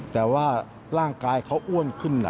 แต่ว่าร่างกายเขาอ้วนขึ้น